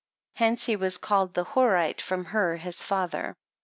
hence he was called the Horite, from Hur, his father.